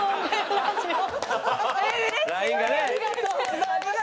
ありがとうございます。